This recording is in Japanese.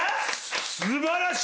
素晴らしい！